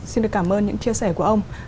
xin được cảm ơn những chia sẻ của ông